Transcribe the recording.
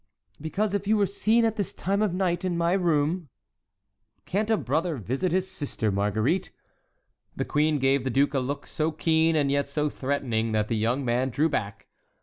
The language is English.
"Because if you were seen at this time of night in my room"— "Can't a brother visit his sister, Marguerite?" The queen gave the duke a look so keen and yet so threatening that the young man drew back.